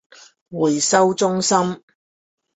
回收中心